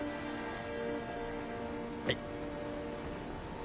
はい。